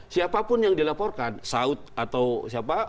siapapun yang dilaporkan saud atau siapa